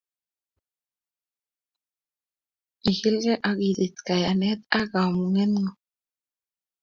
Ikilgei ak isich kaiyanet ak kamugetngung